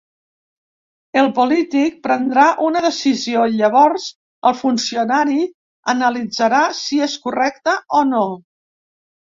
El polític prendrà una decisió, llavors el funcionari analitzarà si és correcta o no.